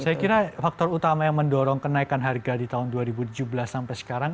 saya kira faktor utama yang mendorong kenaikan harga di tahun dua ribu tujuh belas sampai sekarang